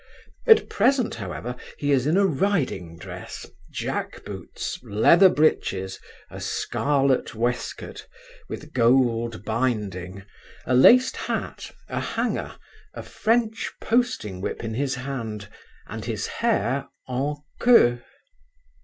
At present, however, he is in a ridingdress, jack boots, leather breeches, a scarlet waistcoat, with gold binding, a laced hat, a hanger, a French posting whip in his hand, and his hair en queue.